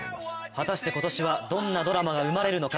果たして今年はどんなドラマが生まれるのか。